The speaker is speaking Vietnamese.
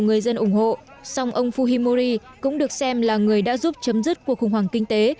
người dân ủng hộ song ông fuhimori cũng được xem là người đã giúp chấm dứt cuộc khủng hoảng kinh tế